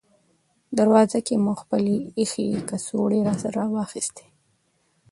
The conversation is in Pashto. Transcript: دروازه کې مو خپلې اېښې کڅوړې راسره واخیستې.